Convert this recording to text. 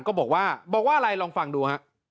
ก็บอกว่าบอกว่าอะไรลองฟังดูฮะ